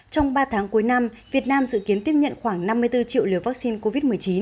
trong ba tháng cuối năm việt nam dự kiến tiếp nhận khoảng năm mươi bốn triệu liều vaccine covid một mươi chín